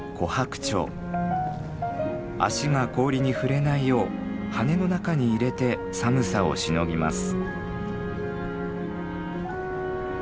足が氷に触れないよう羽の中に入れて寒さをしのぎます。